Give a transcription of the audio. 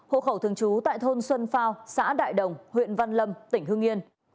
hộ khẩu thường trú tại thôn xuân phao xã đại đồng huyện văn lâm tỉnh hương yên